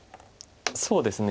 そうですね。